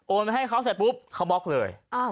ไปให้เขาเสร็จปุ๊บเขาบล็อกเลย